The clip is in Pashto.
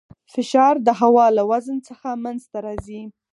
فشار د هوا له وزن څخه منځته راځي.